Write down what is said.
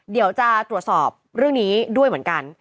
เดี๋ยวจะตรวจสอบเรื่องนี้ด้วยเหมือนกัน